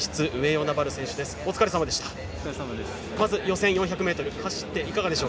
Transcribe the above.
お疲れさまでした。